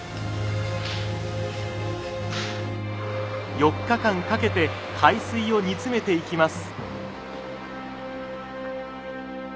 ４日間かけて海水を煮詰めていきます。